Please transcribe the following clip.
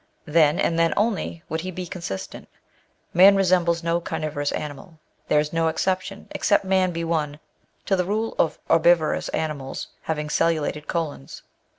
Then, and then only, would he be consistent. Man resembles no carnivorous animal. There is no exertion, except man be one, to the rule of herbivorous animalB having cellulated colons.